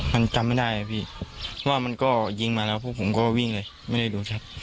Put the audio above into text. มันจำไม่ได้อะพี่ว่ามันก็ยิงมาแล้วพวกผมก็วิ่งเลยไม่ได้ดูชัด